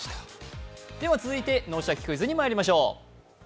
続いて「脳シャキ！クイズ」にまいりましょう。